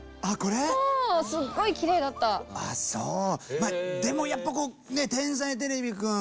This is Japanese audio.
まあでもやっぱこうねっ「天才てれびくん」